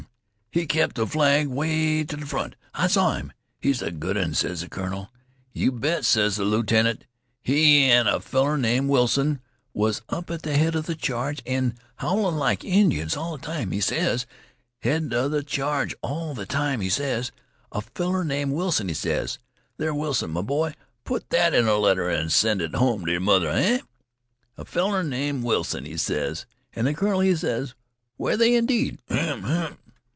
He kep' th' flag 'way t' th' front. I saw 'im. He's a good un,' ses th' colonel. 'You bet,' ses th' lieutenant, 'he an' a feller named Wilson was at th' head 'a th' charge, an' howlin' like Indians all th' time,' he ses. 'Head 'a th' charge all th' time,' he ses. 'A feller named Wilson,' he ses. There, Wilson, m'boy, put that in a letter an' send it hum t' yer mother, hay? 'A feller named Wilson,' he ses. An' th' colonel, he ses: 'Were they, indeed?